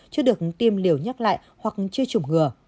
chưa được tiêm liều nhắc lại hoặc chưa chủng ngừa